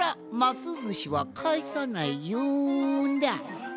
ずしはかえさないよんだ。